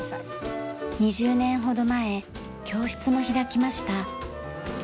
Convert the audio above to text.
２０年ほど前教室も開きました。